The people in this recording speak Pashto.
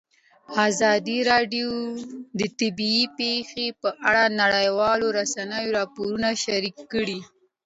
ازادي راډیو د طبیعي پېښې په اړه د نړیوالو رسنیو راپورونه شریک کړي.